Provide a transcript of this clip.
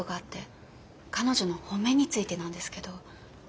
彼女の褒めについてなんですけど。